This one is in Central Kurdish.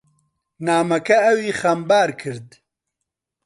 نامەکە ئەوی خەمبار کرد.